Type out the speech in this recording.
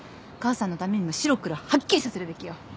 母さんのためにも白黒はっきりさせるべきよ。